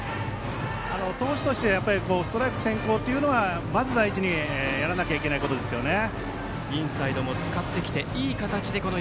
投手としてストライク先行というのはまず第一にやらなければいけないことですよね。